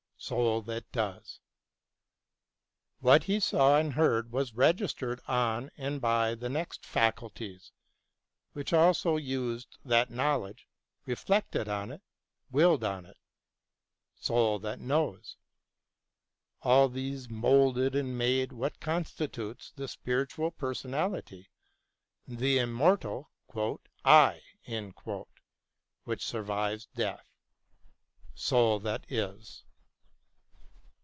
Soul that does. What he saw and heard was registered on and by the next faculties, which also used that knowledge, reflected on it, willed on it. Soul that knows. All these moulded and made what constitutes the spiritual personality, the immortal " I " which survives death. Soul that is.